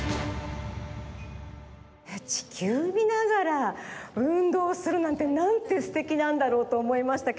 ちきゅうみながら運動するなんてなんてすてきなんだろうとおもいましたけど。